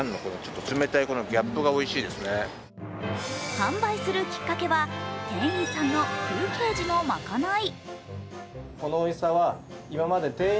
販売するきっかけは、店員さんの休憩時のまかない。